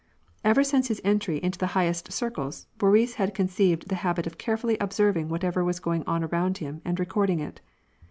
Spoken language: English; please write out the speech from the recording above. Ever since his entry into the highest circles, Boris had con ceived the habit of carefully observing whatever was going on around him and recording it.